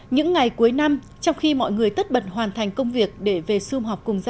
những ngày cuối năm trong khi mọi người tất bận hoàn thành công việc để về xương họp cùng gia